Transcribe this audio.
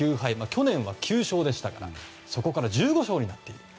去年は９勝でしたからそこから１５勝になっています。